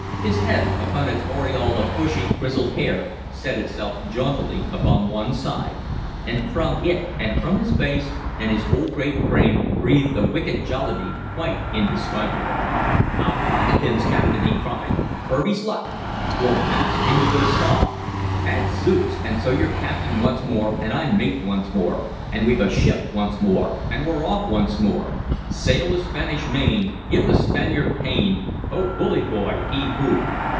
His head with its aureole of bushy, grizzled hair set itself jauntily upon one side, and from it and from his face and his whole great frame breathed a wicked jollity quite indescribable. "Odsbodikins, captain!" he cried. "Kirby's luck! 't will pass into a saw! Adzooks! and so you're captain once more, and I'm mate once more, and we've a ship once more, and we're off once more sail the Spanish Main give the Spaniard pain, ho, bully boy, heave ho!